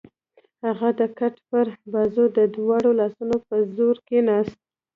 هغه د کټ پر بازو د دواړو لاسونو په زور کېناست.